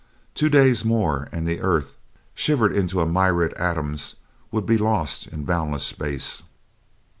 Two days more, and the earth, shivered into a myriad atoms, would be lost in boundless space!